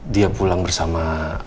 dia pulang bersama